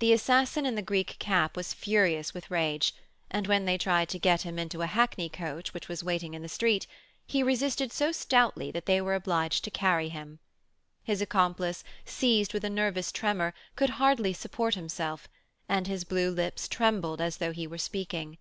The assassin in the Greek cap was furious with rage, and when they tried to get him into a hackney coach which was waiting in the street, he resisted so stoutly that they were obliged to carry him. His accomplice, seized with a nervous tremor, could hardly support himself, and his blue lips trembled as though he were speaking.